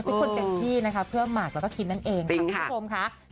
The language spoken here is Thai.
ทุกคนเต็มที่นะคะเพื่อหมากแล้วก็คิมนั่นเองค่ะคุณผู้ชมค่ะ